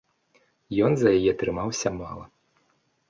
Ён за яе трымаўся мала.